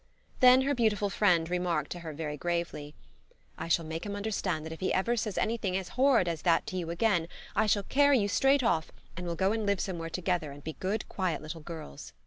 Then her beautiful friend remarked to her very gravely: "I shall make him understand that if he ever again says anything as horrid as that to you I shall carry you straight off and we'll go and live somewhere together and be good quiet little girls."